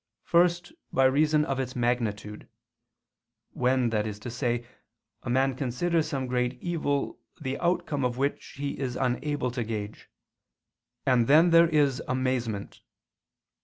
First by reason of its magnitude; when, that is to say, a man considers some great evil the outcome of which he is unable to gauge: and then there is _amazement.